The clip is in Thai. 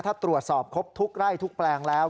ถ้าตรวจสอบครบทุกไร่ทุกแปลงแล้ว